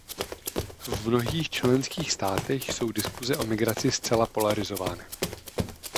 V mnohých členských státech jsou diskuse o migraci zcela polarizovány.